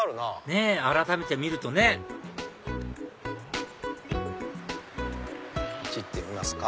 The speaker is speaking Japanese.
ねぇ改めて見るとねこっち行ってみますか。